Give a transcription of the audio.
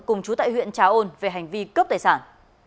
cùng chú tại huyện trà ôn về hành vi cướp tài sản